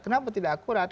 kenapa tidak akurat